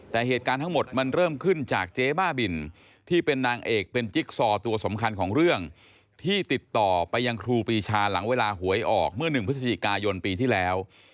แต่เหตุการณ์ทั้งหมดมันเริ่มขึ้นจากเจ๊บ้าบินที่เป็นนางเอกเป็นจิ๊กซอตัวสำคัญของเรื่องที่ติดต่อไปยังครูปีชาหลังเวลาหวยออกเมื่อ๑พฤศจิกายนปีที่แล้ว